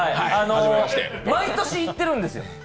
毎年、行ってるんですよ